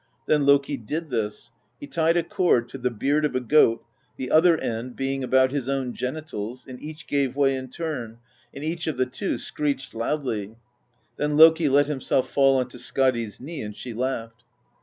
Then Loki did this : he tied a cord to the beard of a goat, the other end being about his own genitals, and each gave way in turn, and each of the two screeched loudly; then Loki let him self fall onto Skadi's knee, and she laughed.